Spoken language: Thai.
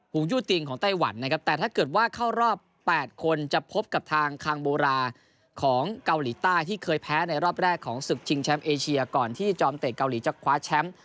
งยูตินของไต้หวันนะครับแต่ถ้าเกิดว่าเข้ารอบ๘คนจะพบกับทางคางโบราของเกาหลีใต้ที่เคยแพ้ในรอบแรกของศึกชิงแชมป์เอเชียก่อนที่จอมเตะเกาหลีจะคว้าแชมป์